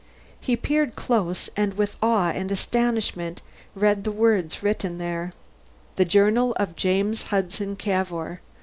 He peered close, and with awe and astonishment read the words written there: _The Journal of James Hudson Cavour.